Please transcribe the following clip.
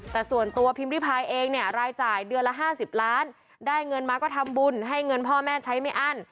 แต่ส่วนตัวพิมพ์ริพายเองเนี่ยรายจ่ายเดือนละ๕๐ล้านได้เงินมาก็ทำบุญให้เงินพ่อแม่ใช้ไม่อั้น